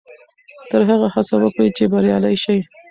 تر هغې هڅه وکړئ چې بریالي شئ.